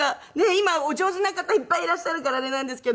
今お上手な方いっぱいいらっしゃるからあれなんですけど。